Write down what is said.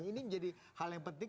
ini menjadi hal yang penting